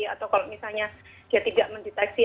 atau kalau misalnya dia tidak mendeteksi